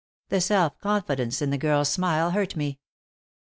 The self confidence in the girl's smile hurt me.